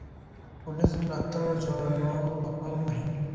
ټولنیز ملاتړ د ځوانانو لپاره مهم دی.